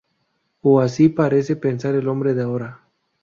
O así parece pensar el hombre de ahora.